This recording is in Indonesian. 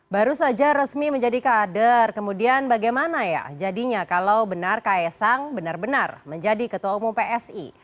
baru saja resmi menjadi kader kemudian bagaimana ya jadinya kalau benar ks sang benar benar menjadi ketua umum psi